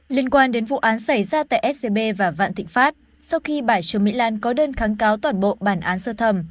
liên quan đến vụ án xảy ra tại scb và vạn thịnh pháp sau khi bà trương mỹ lan có đơn kháng cáo toàn bộ bản án sơ thẩm